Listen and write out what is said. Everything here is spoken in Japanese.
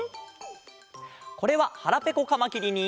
これは「はらぺこカマキリ」に。